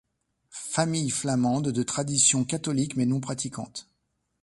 Famille flamande de tradition catholique mais non pratiquante.